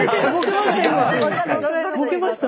ボケました？